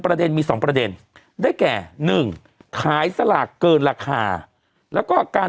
ประเด็นมีสองประเด็นได้แก่๑ขายสลากเกินราคาแล้วก็การ